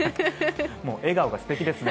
笑顔が素敵ですね